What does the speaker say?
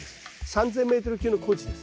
３０００メートル級の高地です。